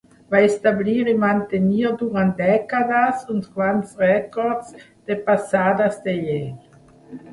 Va establir i mantenir durant dècades uns quants rècords de passades de Yale.